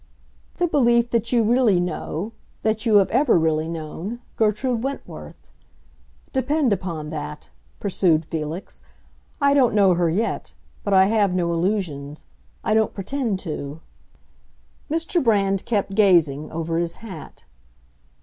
"The belief that you really know—that you have ever really known—Gertrude Wentworth. Depend upon that," pursued Felix. "I don't know her yet; but I have no illusions; I don't pretend to." Mr. Brand kept gazing, over his hat.